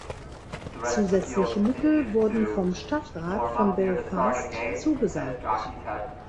Zusätzliche Mittel wurden vom Stadtrat von Belfast zugesagt.